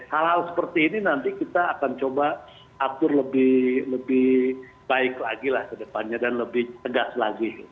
hal hal seperti ini nanti kita akan coba atur lebih baik lagi lah ke depannya dan lebih tegas lagi